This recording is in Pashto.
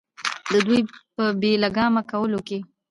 د دوي پۀ بې لګامه کولو کښې